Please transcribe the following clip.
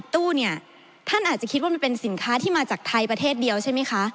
ตู้เนี่ยท่านอาจจะคิดว่ามันเป็นสินค้าที่มาจากไทยประเทศเดียวใช่ไหมคะ